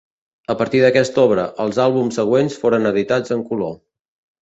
A partir d'aquesta obra, els àlbums següents foren editats en color.